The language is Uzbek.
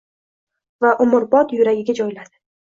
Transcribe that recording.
Va umrbodga yuragiga joyladi.